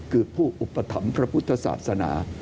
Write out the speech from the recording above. คือผู้อุปถัมภ์พระพุทธศาสนา